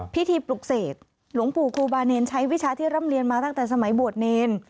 ปลุกเสกหลวงปู่ครูบาเนรใช้วิชาที่ร่ำเรียนมาตั้งแต่สมัยบวชเนร